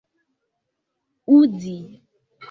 uzi